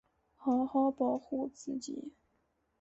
好好保护自己